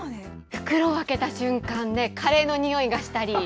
袋を開けた瞬間ね、カレーの匂いがしたり。